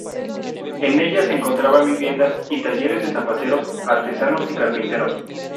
En ella se encontraban viviendas y talleres de zapateros, artesanos y carpinteros.